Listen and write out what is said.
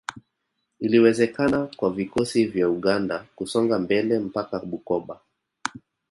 Iliwezekana kwa vikosi vya Uganda kusonga mbele mpaka Bukoba